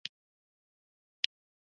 څنګه کولی شم د ماشوم لپاره د قران نوم وټاکم